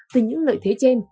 từ những lợi thế trên